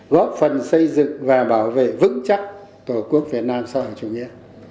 góp phần xây dựng và bảo vệ vững chắc tổ quốc việt nam so với chủ nghĩa